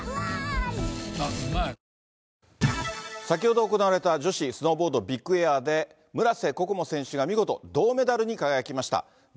先ほど行われた女子スノーボードビッグエアで、村瀬心椛選手が見事、銅メダルに輝きました。